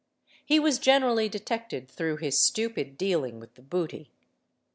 He was generally detected through his stupid dealing with the booty.